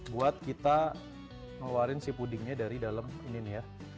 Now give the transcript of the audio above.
buat kita ngeluarin si pudingnya dari dalam ini nih ya